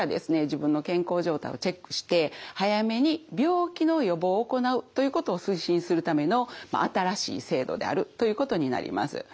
自分の健康状態をチェックして早めに病気の予防を行うということを推進するための新しい制度であるということになります。